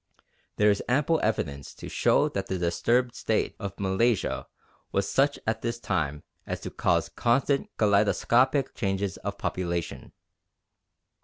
There is ample evidence to show that the disturbed state of Malaysia was such at this time as to cause constant kaleidoscopic changes of population.